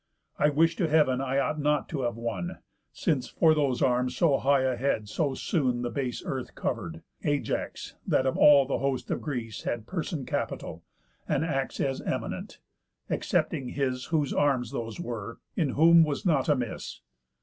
I wish to heav'n I ought not to have won; Since for those arms so high a head so soon The base earth cover'd, Ajax, that of all The host of Greece had person capital, And acts as eminent, excepting his Whose arms those were, in whom was nought amiss.